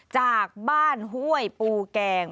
จากบ้านห้วยปูแกง